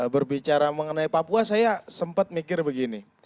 berbicara mengenai papua saya sempat mikir begini